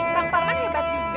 bang parman hebat juga